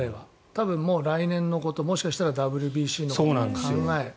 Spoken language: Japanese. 多分、来年のこともしかしたらＷＢＣのことも考え